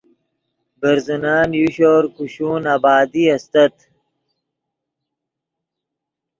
برزنن یو شور کوشون آبادی استت